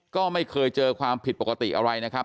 ก็ไม่เคยเจอความผิดปกติอะไรนะครับ